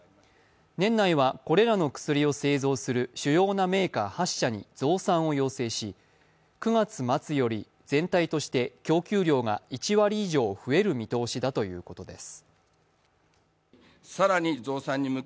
年内はこれらの薬を製造する主要なメーカー８社に増産を要請し、９月末より全体として供給量が１割以上増える見通しだということです。